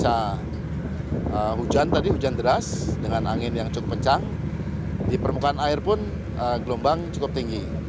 karena hujan tadi hujan deras dengan angin yang cukup pencang di permukaan air pun gelombang cukup tinggi